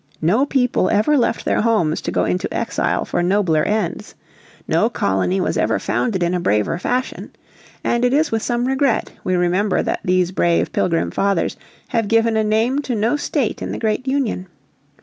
No people ever left their homes to go into exile for nobler ends, no colony was ever founded in a braver fashion. And it is with some regret we remember that these brave Pilgrim Fathers have given a name to no state in the great union.